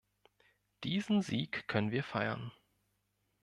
Diesen Sieg können wir feiern.